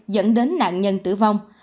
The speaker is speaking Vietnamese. dẫn đến nạn nhân tử vong